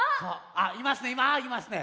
あっいますねあいますね。